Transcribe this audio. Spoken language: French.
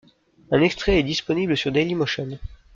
Un extrait est disponible sur Dailymotion.